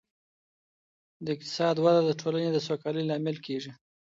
د اقتصاد وده د ټولني د سوکالۍ لامل کيږي.